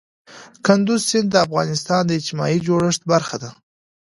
کندز سیند د افغانستان د اجتماعي جوړښت برخه ده.